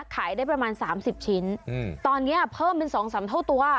ขายได้ประมาณสามสิบชิ้นอืมตอนเนี้ยเพิ่มเป็นสองสามเท่าตัว